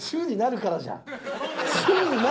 １０になるからじゃん！